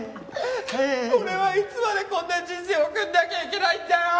俺はいつまでこんな人生を送んなきゃいけないんだよ！